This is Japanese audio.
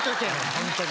本当に。